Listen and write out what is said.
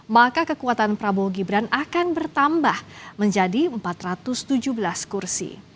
maka kekuatan prabowo gibran akan bertambah menjadi empat ratus tujuh belas kursi